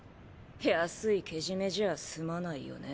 安いけじめじゃ済まないよね。